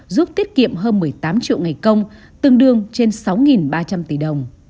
giúp tiết kiệm hơn một mươi tám triệu ngày công tương đương trên sáu ba trăm linh tỷ đồng